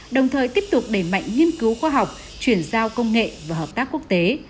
đồng thời tiếp tục đẩy mạnh nghiên cứu khoa học chuyển giao công nghệ và hợp tác quốc tế